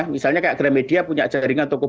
misalnya kayak gramedia punya jaringan toko